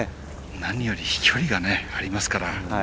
何より飛距離がありますから。